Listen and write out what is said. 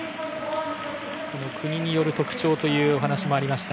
国による特徴というお話がありました。